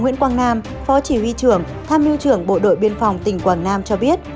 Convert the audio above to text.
quảng nam phó chỉ huy trưởng tham lưu trưởng bộ đội biên phòng tỉnh quảng nam cho biết